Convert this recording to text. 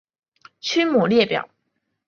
曲目列表